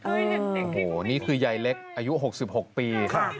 โอ้โหนี่คือยายเล็กอายุหกสิบหกปี